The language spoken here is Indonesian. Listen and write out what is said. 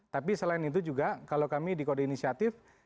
tapi selain itu juga kalau kami di kode inisiatif